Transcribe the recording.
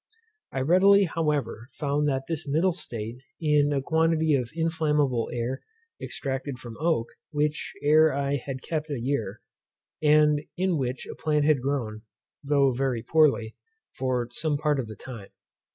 I readily, however, found this middle state in a quantity of inflammable air extracted from oak, which air I had kept a year, and in which a plant had grown, though very poorly, for some part of the time.